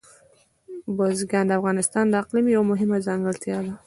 بزګان د افغانستان د اقلیم یوه مهمه ځانګړتیا ده.